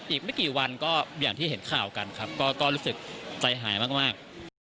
อีกไม่กี่วันก็อย่างที่เห็นข่าวกันครับก็รู้สึกใจหายมาก